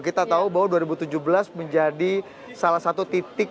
kita tahu bahwa dua ribu tujuh belas menjadi salah satu titik